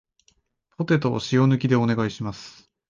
ポテトを塩抜きでお願いします